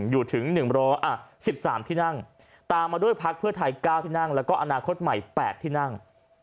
อยู่ถึง๑๑๓ที่นั่งตามมาด้วยพักเพื่อไทย๙ที่นั่งแล้วก็อนาคตใหม่๘ที่นั่ง